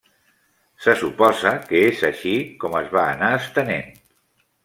Se suposa que és així com es va anar estenent.